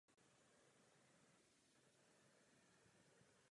Je znám pouze v jednom exempláři.